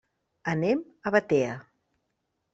Anem a Batea.